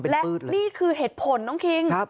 และนี่คือเหตุผลน้องคิง